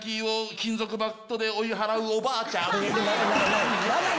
金属バットで追い払うおばあちゃん